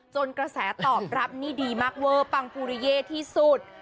กระแสตอบรับนี่ดีมากเวอร์ปังภูริเย่ที่สุด